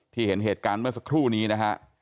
เห็นเหตุการณ์เมื่อสักครู่นี้นะฮะ